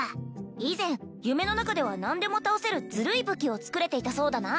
以前夢の中では何でも倒せるずるい武器を作れていたそうだな